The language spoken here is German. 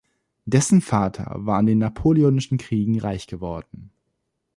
Dessen Vater war in den napoleonischen Kriegen reich geworden.